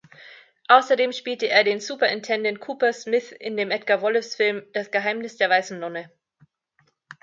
Außerdem spielte er den Superintendent Cooper-Smith in dem Edgar-Wallace-Film "Das Geheimnis der weißen Nonne".